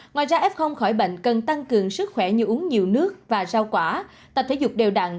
ngoài ra f khỏi bệnh cần tăng cường sức khỏe như uống nhiều nước và rau quả tập thể dục đều đặn